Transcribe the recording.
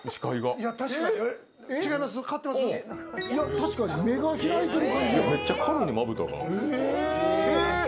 確かに、目が開いてる。